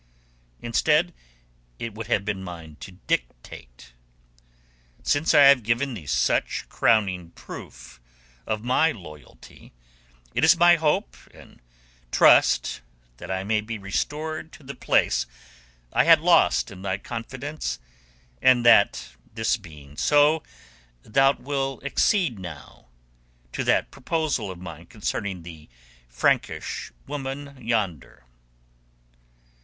Instead it would have been mine to dictate. Since I have given thee such crowning proof of my loyalty, it is my hope and trust that I may be restored to the place I had lost in thy confidence, and that this being so thou wilt accede now to that proposal of mine concerning the Frankish woman yonder."